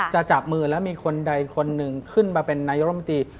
จับมือแล้วมีคนใดคนหนึ่งขึ้นมาเป็นนายกรมตรี